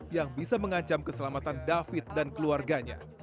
yang bisa mengancam keselamatan david dan keluarganya